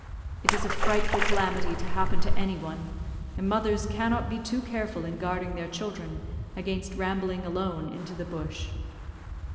It is a frightful calamity to happen to any one, and mothers cannot be too careful in guarding their children against rambling alone into the bush.